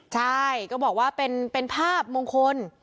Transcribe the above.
ใช่ก็บอกว่าเป็นภาพมงคล